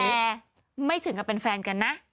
แต่ไม่ถึงกับเป็นแฟนกันนะ